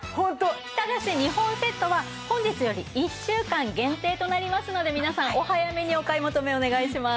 ただし２本セットは本日より１週間限定となりますので皆さんお早めにお買い求めお願いします。